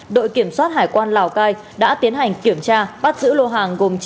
đội kiểm soát hải quan lào cai đã tiến hành kiểm tra bắt giữ lô hàng gồm